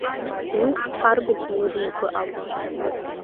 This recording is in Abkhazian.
Уи Қәҭарба Ҭемыр инапы акәын.